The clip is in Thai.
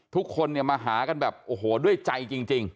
ทุกคนเนี่ยมาหากันแบบโอ้โหด้วยใจจริง